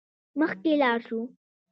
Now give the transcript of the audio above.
مخکې لاړ شو.